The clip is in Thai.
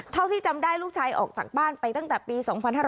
เท่าที่จำได้ลูกชายออกจากบ้านไปตั้งแต่ปี๒๕๕๙